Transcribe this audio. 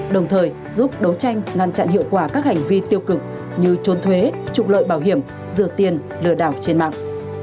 đồng thời giúp đấu tranh ngăn chặn hiệu quả các hành vi tiêu cực như trốn thuế trục lợi bảo hiểm rửa tiền lừa đảo trên mạng